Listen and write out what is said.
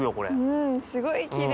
うんすごいきれい。